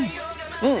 うん！